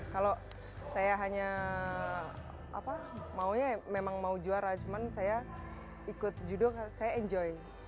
kalau saya hanya maunya memang mau juara cuman saya ikut judul saya enjoy